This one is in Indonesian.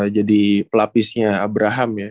jadi pelapisnya abraham ya